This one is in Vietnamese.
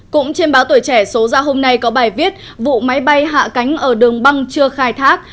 cũng trên báo tuổi trẻ số ra hôm nay có bài viết vụ máy bay hạ cánh ở đường băng chưa khai thác